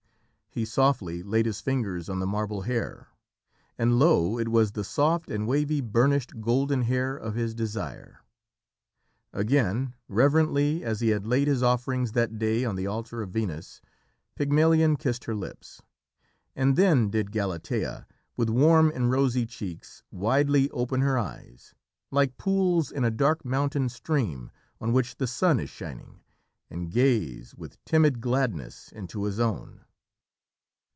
He softly laid his fingers on the marble hair, and lo, it was the soft and wavy burnished golden hair of his desire. Again, reverently as he had laid his offerings that day on the altar of Venus, Pygmalion kissed her lips. And then did Galatea, with warm and rosy cheeks, widely open her eyes, like pools in a dark mountain stream on which the sun is shining, and gaze with timid gladness into his own.